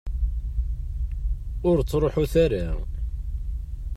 Ur ttruḥut ara.